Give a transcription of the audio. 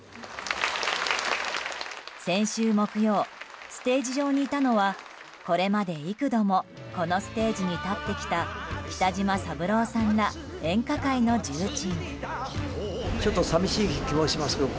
先週木曜、ステージ上にいたのはこれまで幾度もこのステージに立ってきた北島三郎さんら演歌界の重鎮。